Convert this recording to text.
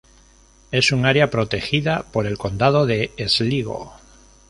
Es un área protegida por el condado de Sligo.